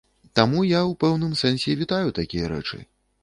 Таму я ў пэўным сэнсе вітаю такія рэчы.